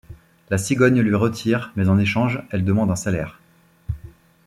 La cigogne lui retire mais en échange elle demande un salaire.